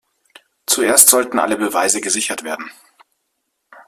Zuerst sollten alle Beweise gesichert werden.